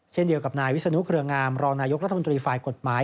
เช่นเดียวกับนายวิศนุเครืองามรองนายกรัฐมนตรีฝ่ายกฎหมาย